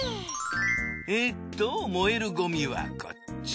えと燃えるゴミはこっち。